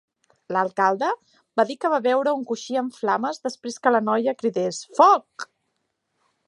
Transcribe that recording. L'alcalde va dir que va veure un coixí en flames després que la noia cridés "foc!".